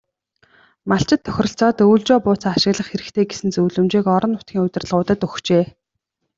Малчид тохиролцоод өвөлжөө бууцаа ашиглах хэрэгтэй гэсэн зөвлөмжийг орон нутгийн удирдлагуудад өгчээ.